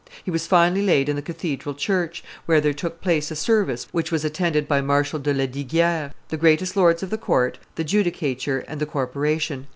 He was finally laid in the cathedral church, where there took place a service which was attended by Marshal de Lesdiguieres, the greatest lords of the court, the judicature, and the corporation.